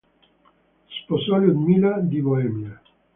Sposò Ludmilla di Boemia.